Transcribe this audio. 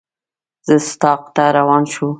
رُستاق ته روان شو.